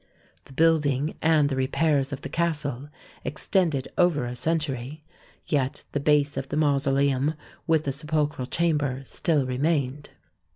The building and the repairs of the castle extended over a cen tury, yet the base of the mausoleum with the sepulchral chamber still remained.